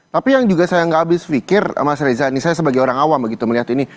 tapi yang juga saya nggak habis pikir mas reza ini saya sebagai orang awam begitu melihat ini